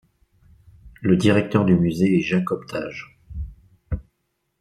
Le directeur du musée est Jacob Thage.